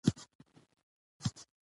هیواد ته د خدمت لپاره ګام پورته کاوه.